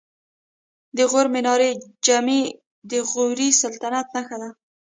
د غور منارې جمعې د غوري سلطنت نښه ده